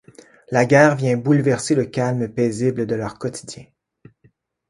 La guerre vient bouleverser le calme paisible de leur quotidien.